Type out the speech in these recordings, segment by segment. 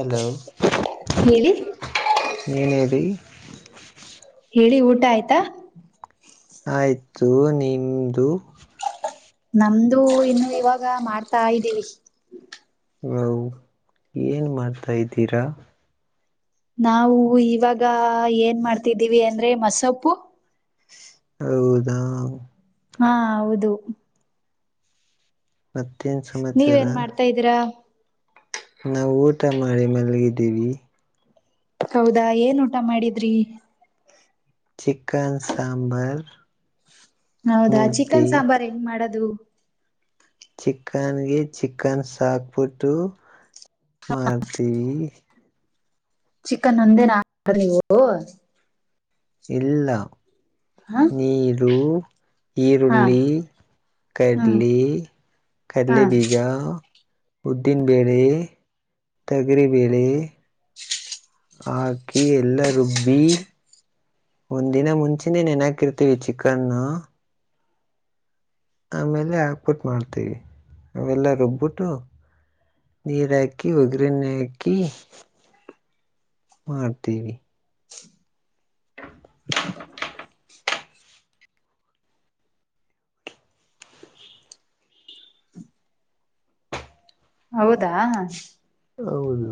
hello ಹೇಳಿ ನೀನದ ಹೇಳಿ ಊಟ ಆಯ್ತಾ ಆಯ್ತು ನಿಮ್ದು ನಮ್ದು ಇನ್ನು ಇವಾಗ ಮಾಡ್ತಾ ಇದ್ದೀವಿ ಹ ಏನ್ ಮಾಡ್ತಾ ಇದ್ದೀರಾ ನಾವು ಇವಾಗ ಏನ್ ಮಾಡ್ತಿದ್ದೀವಿ ಅಂದ್ರೆ ಮಸೊಪ್ಪು ನ ಹಾ ಹೌದು ಮತ್ತೇನ್ ಸಮಾಚಾರ ನೀವೇನ್ ಮಾಡ್ತಾ ಇದ್ದೀರಾ ನಾವು ಊಟ ಮಾಡಿ ಮಲಗಿದ್ದೀವಿ ಹೌದಾ ಏನ್ ಊಟ ಮಾಡಿದ್ರಿ ಚಿಕನ್ ಸಾಂಬರ್ ಹೌದಾ ಚಿಕನ್ ಸಾಂಬಾರ್ ಹೆಂಗ್ ಮಾಡದು ಚಿಕನ್ಗೆ ಚಿಕನ್ ಸಾಕ್ಬಿಟ್ಟು ಮಾಡ್ತೀವಿ ಚಿಕನ್ ಒಂದೇ ನ ನೀವು ಇಲ್ಲ ಹ ನೀರು ಹಾ ಈರುಳ್ಳಿ ಹ್ಮ್ ಕಡ್ಲಿ ಹಾ ಕಡಲೆಬೀಜ ಉದ್ದೀನ್ ಬೇಳೆ ತಗರಿಬೇಳೆ ಹಾಕಿ ಎಲ್ಲ ರುಬ್ಬಿ ಒಂದಿನ ಮುಂಚೆದನ್ ಏನಕಿರ್ತೀವಿ ಚಿಕನ್ ಆಮೇಲೆ ಹಾಕ್ಬಿಟ್ಟು ಮಾಡ್ತೀವಿ ಅವೆಲ್ಲ ರುಬ್ಬಿಟ್ಟು ನೀರ ಹಾಕಿ ಒಗ್ಗರಿರಣೆ ಹಾಕಿ ಮಾಡತೀವಿ ಹೌದಾ ಹೌದು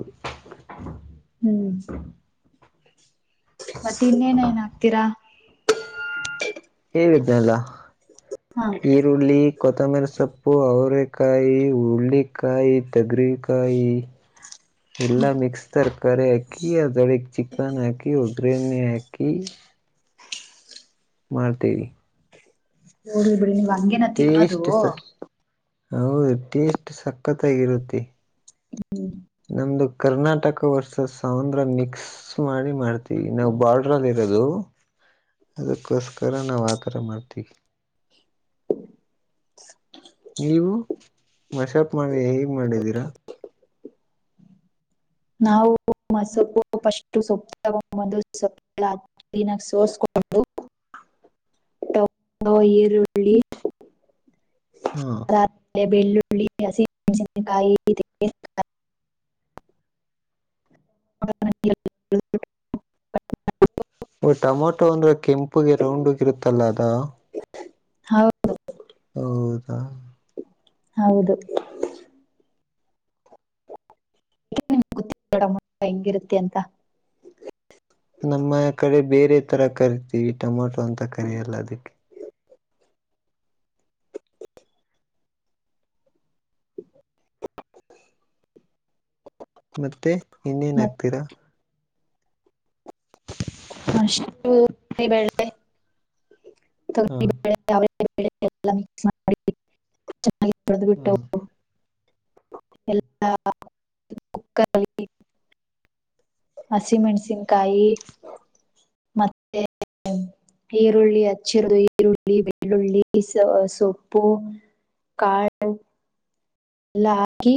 ಹ್ಮ್ ಮತ್ತೆ ಇನ್ನೇನೇನ್ ಹಕ್ತೀರಾ ಹೇಳ್ಯಿದ್ನಲ್ಲ ಈರುಳ್ಳಿ ಕೊತ್ತಂಬರಿ ಸೊಪ್ಪು ಅವ್ರೇ ಕಾಯಿ ಹುಳ್ಳಿಕಾಯಿ ತಗರಿಕಾಯಿ ಎಲ್ಲಾ ಮಿಕ್ಸ್ ತರ್ಕಾರಿ ಹಾಕಿ ಅದ್ರೊಳಿಕ್ ಚಿಕನ್ ಹಾಕಿ ಒಗ್ರೇನಿ ಹಾಕ್ ಕಿ ಮಾಡ್ತಿವಿ ಹೋಗ್ಲಿಬಿಡಿ ನೀವ್ ಹಂಗೇನ ತಿನ್ನೋದು ಹೌದ್ ಟೇಸ್ಟ್ ಸಕ್ಕತ್ತಾಗಿರುತ್ತೆ [unintelligible] ನಮ್ದು ಕರ್ನಾಟಕ ವರ್ಸಸ್ ಆಂದ್ರ ಮಿಕ್ಸ್ ಮಾಡಿ ಮಾಡ್ತೀವಿ ನಾವ್ ಬಾರ್ಡ್ರಲ್ಲಿ ಇರ ರೋದು ಅದಕ್ಕೋಸ್ಕರ ನಾವ್ ಆಥರ ಮಾಡ್ತೀವಿ ನೀವು ಮಶಪ್ ಮಾಡಿ ಹೇಗ್ ಮಾಡಿದ್ದೀರಾ ನಾವು ಮಸೊಪ್ಪು ಫಸ್ಟು ಸೊಪ್ ತಗೊಬಂದು ಸೊಪ್ ಗಳ ಕ್ಲೀನಗೆ ಸೋಸ್ಕೊಂ [unintelligible] ಟಗೊ ಇರುಳ್ಳಿ ಹಾ ರಾ ಪೆ ಬೆಳ್ಳುಳ್ಳಿ ಹಸಿಮೆಣ್ಸಿನ್ ಕಾಯಿ ತೆಂಗಿನ್ ಕಾಯಿ [inaudible] [unintelligible] ಒ ಟೊಮೊಟೊ ಅಂದ್ರೆ ಕೆಂಪುಗೆ ರೌಂಡಗಿರುತ್ತಲ್ಲ ಅದಾ ಹೌದು ಹೌದಾ ಹೌದು ಯಾ ನಿಮ ಗಡ ಹೆಂಗಿರುತ್ತೆ ಅಂತ ನಮ್ಮಯ ಕಡೆ ಬೇರೆ ತರ ಕರಿತೀವಿ ಟೊಮೊಟೊ ಅಂತ ಕರಿಯಲ್ಲ ಅದಿಕ್ಕೆ ಮತ್ತೆ ಇನ್ನೇನ್ ಮತ್ ಆಕ್ತಿರಾ ತೆ ಎ ಮಿಕ್ ಹ [unintelligible] ಚೆನ್ನಾಗಿ ತೊಳ್ದು ಬಿಟ್ಟು ಹ ಎಲ್ಲಾ ಕುಕ್ಕಲ್ಲಿ ಹಸಿಮೆಣಸಿನ್ಕಾಯಿ ಮತ್ತೆ ಈರುಳ್ಳಿ ಅಚ್ಚರದು ಈರುಳ್ಳ್ ಇರುಳ್ಳಿ ಬೆಳ್ಳುಳ್ಳಿ ಸ ಸೊಪ್ಪು ಕಾಳ್ ಎಲ್ಲಾಕಿ